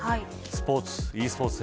スポーツ。